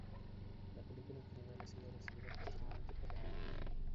La película, en general, ha sido recibida positivamente por la crítica.